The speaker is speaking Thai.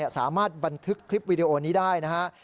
สามารถบันทึกคลิปวิดีโอนี้ได้นะฮะ